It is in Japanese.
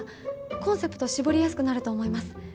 コンセプト絞りやすくなると思います。